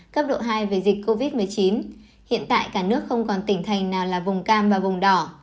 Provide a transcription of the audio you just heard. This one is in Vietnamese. cấp độ hai về dịch covid một mươi chín hiện tại cả nước không còn tỉnh thành nào là vùng cam và vùng đỏ